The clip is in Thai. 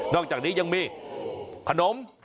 อกจากนี้ยังมีขนม